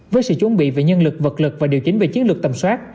với sự chuẩn bị về nhân lực vật lực và điều chỉnh về chiến lược tầm soát